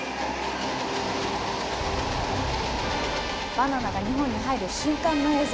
バナナが日本に入る瞬間の映像！